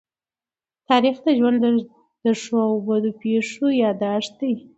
تاریخ د ژوند د ښو او بدو پېښو يادښت دی.